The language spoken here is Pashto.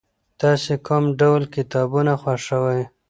تاسې کوم ډول کتابونه خوښوئ؟